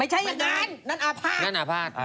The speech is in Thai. ไม่ใช่อย่างนั้นนั่นอภาค